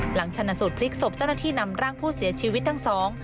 หลังชนะสูตรพลิกศพเจ้าหน้าที่นำร่างผู้เสียชีวิตทั้งสอง